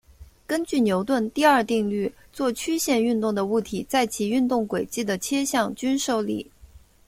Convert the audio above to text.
根据牛顿第二定律做曲线运动的物体在其运动轨迹的切向均受力。